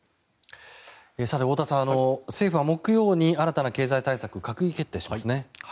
さて、太田さん政府は木曜に新たな経済対策を閣議決定しますね。